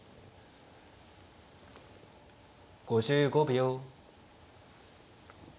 ５５秒。